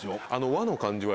和の感じは？